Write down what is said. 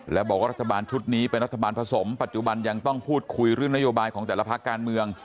และบอกว่ารัฐบาลชุดนี้เป็นรัฐบาลผสมปัจจุบันยังต้องพูดคุยเรื่องนโยบายของแต่ละภาคการเมือง